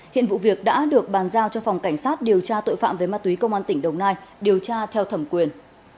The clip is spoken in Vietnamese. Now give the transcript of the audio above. hiện vụ việc đã được bàn giao cho phòng cảnh sát điều tra tội phạm về ma túy công an tỉnh đồng nai điều tra theo thẩm quyền